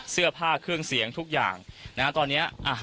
เสื้อผ้าเครื่องเสียงทุกอย่างนะฮะตอนนี้อ่ะ